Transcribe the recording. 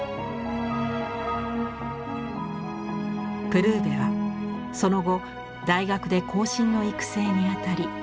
プルーヴェはその後大学で後進の育成にあたり